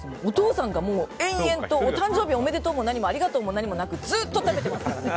お父さんが延々とお誕生日おめでとうもなくありがとうも何もなくずっと食べてますからね。